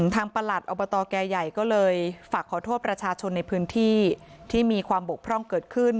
ประหลัดอบตแก่ใหญ่ก็เลยฝากขอโทษประชาชนในพื้นที่ที่มีความบกพร่องเกิดขึ้น